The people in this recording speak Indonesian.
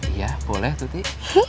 iya boleh tuti